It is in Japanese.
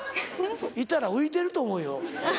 いたら浮いてると思うよ。